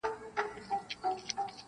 پر تسپو پر عبادت پر خیراتونو-